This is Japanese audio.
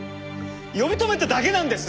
呼び止めただけなんです！